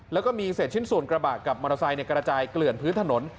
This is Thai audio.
แล้วก็มีเศษชิ้นส่วนกระบะกับมอเตอร์ไซค์กระจายเกลื่อนพื้นถนน